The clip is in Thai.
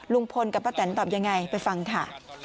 ลุงพลกับป้าแตนตอบยังไงไปฟังค่ะ